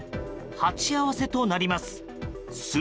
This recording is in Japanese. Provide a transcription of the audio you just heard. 鉢合わせとなります。